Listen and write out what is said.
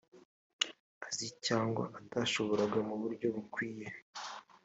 azi cyangwa atashoboraga mu buryo bukwiye